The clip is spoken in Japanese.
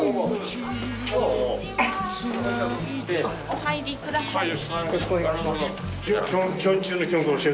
お入りください。